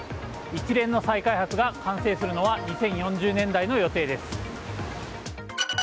一連の再開発が完成するのは２０４０年代の予定です。